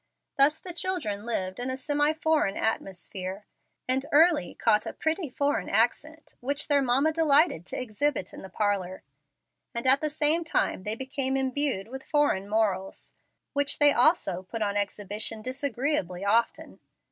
Thus the children lived in a semi foreign atmosphere, and early caught a "pretty foreign accent," which their mamma delighted to exhibit in the parlor; and at the same time they became imbued with foreign morals, which they also put on exhibition disagreeably often.